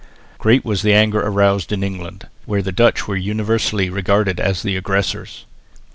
Great was the anger aroused in England, where the Dutch were universally regarded as the aggressors.